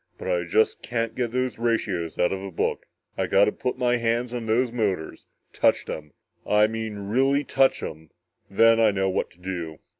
But I just can't get those ratios out of a book. I gotta put my hands on those motors touch 'em I mean really touch 'em then I know what to do!"